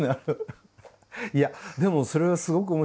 いやでもそれはすごく面白い。